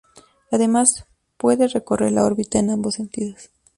Además, puede recorrer la órbita en ambos sentidos.